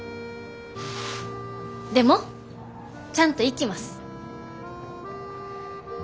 でもちゃんと行きます。